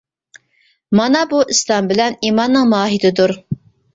مانا بۇ ئىسلام بىلەن ئىماننىڭ ماھىيىتىدۇر.